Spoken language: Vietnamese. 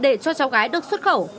để cho cháu gái được xuất khẩu